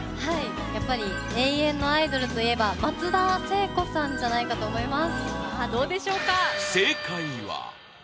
やっぱり永遠のアイドルといえば松田聖子さんじゃないかと思います。